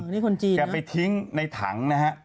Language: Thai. นี่คนจีนแกไปทิ้งในถังนะฮะ